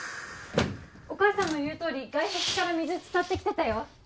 お母さんの言うとおり外壁から水伝ってきてたよ